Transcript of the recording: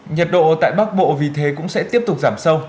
nhiệt độ tại bắc bộ vì thế cũng sẽ tiếp tục giảm sâu